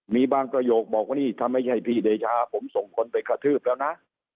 มีบางประโยคบอกว่านี่ถ้าไม่ใช่พี่เดชาผมส่งคนไปกระทืบแล้วนะ